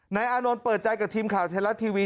อานนท์เปิดใจกับทีมข่าวไทยรัฐทีวี